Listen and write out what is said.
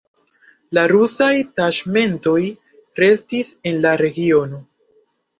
La rusaj taĉmentoj restis en la regiono.